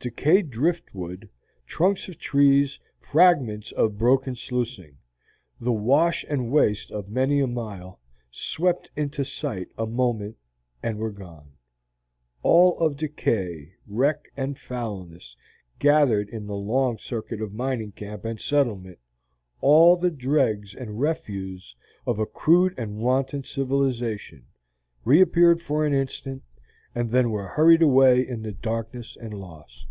Decayed drift wood, trunks of trees, fragments of broken sluicing, the wash and waste of many a mile, swept into sight a moment, and were gone. All of decay, wreck, and foulness gathered in the long circuit of mining camp and settlement, all the dregs and refuse of a crude and wanton civilization, reappeared for an instant, and then were hurried away in the darkness and lost.